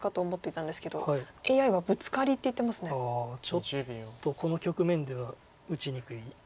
ちょっとこの局面では打ちにくいです。